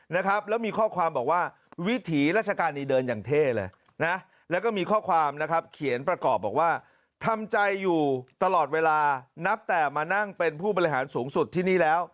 นะครับแล้วมีข้อความบอกว่าวิถีราชการนี้เดินอย่างเท่เลยนะ